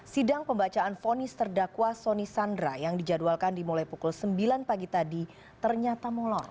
sidang pembacaan fonis terdakwa soni sandra yang dijadwalkan dimulai pukul sembilan pagi tadi ternyata molor